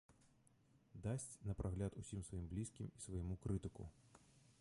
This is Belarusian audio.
Дасць на прагляд усім сваім блізкім і свайму крытыку.